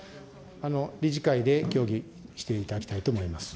理事会で協議していただきたいと思います。